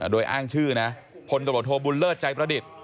โดยอ้างชื่อนะพลตำรวจโทบุญเลิศใจประดิษฐ์